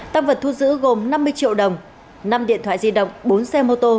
tăng vật thu giữ gồm năm mươi triệu đồng năm điện thoại di động bốn xe mô tô